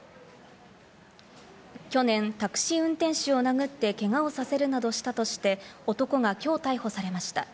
去年、タクシー運転手を殴って、けがをさせるなどしたとして、男がきょう逮捕されました。